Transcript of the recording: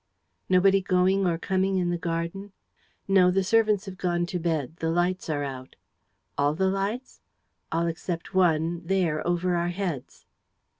"Nobody going or coming in the garden?" "No. The servants have gone to bed. The lights are out." "All the lights?" "All except one, there, over our heads."